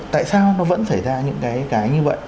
tại sao nó vẫn xảy ra những cái như vậy